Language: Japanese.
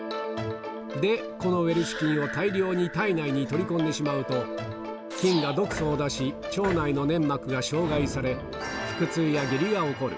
で、このウェルシュ菌を大量に体内に取り込んでしまうと、菌が毒素を出し、腸内の粘膜が傷害され、腹痛や下痢が起こる。